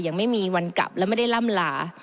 ยังไม่มีวันกลับและไม่ได้ล่ำลา